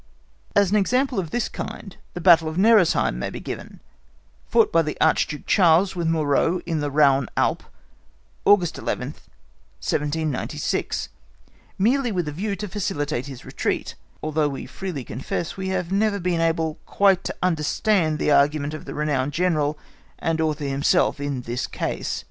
As an example of this kind the battle of Neresheim may be given, fought by the Archduke Charles with Moreau in the Rauhe Alp, August 11, 1796, merely with a view to facilitate his retreat, although we freely confess we have never been able quite to understand the argument of the renowned general and author himself in this case.